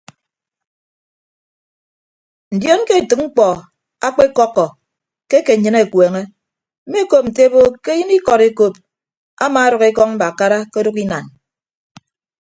Ndion ke etәk mkpọ akpekọkkọ ke ake nnyịn akueñe mmekop nte ebo ke eyịn ikọd ekop amaadʌk ekọñ mbakara ke ọdʌk inan.